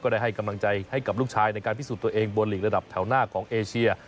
ได้ให้กำลังใจให้กับลูกชายในการพิสูจน์ตัวเองบนหลีกระดับแถวหน้าของเอเชีย